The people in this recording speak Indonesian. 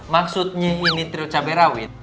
maksudnya ini trio cabai rawit